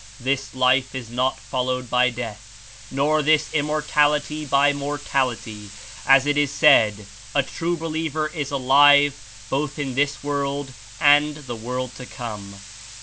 This life is not followed by death nor this Immortality by mortality, as it is said: 'A true believer is alive both in this world and the world to come.'